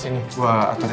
nggak ada apa apa